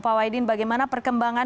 pak wahidin bagaimana perkembangan